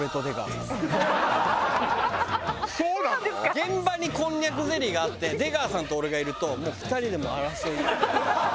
現場にこんにゃくゼリーがあって出川さんと俺がいるともう２人で争いよ。